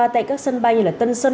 đến hẹn lại lên